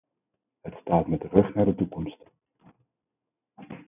Het staat met de rug naar de toekomst.